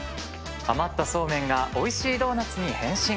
余ったそうめんがおいしいドーナツに変身。